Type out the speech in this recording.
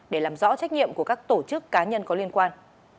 để làm rõ trách nhiệm của các tổ chức cá nhân có liên quan